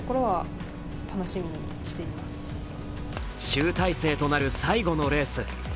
集大成となる最後のレース。